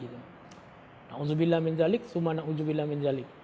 masalahnya sekarang kenapa itu terjadi